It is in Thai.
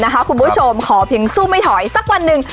นะคะครับคุณผู้ชมขอเพียงสู้ไม่ถอยสักวันนึง